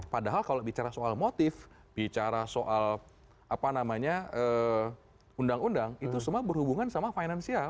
padahal kalau bicara soal motif bicara soal undang undang itu semua berhubungan sama finansial